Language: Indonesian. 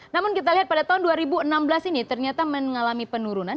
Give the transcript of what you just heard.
namun kita lihat pada tahun dua ribu enam belas ini ternyata mengalami penurunan